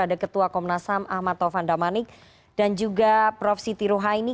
ada ketua komnas ham ahmad taufan damanik dan juga prof siti ruhaini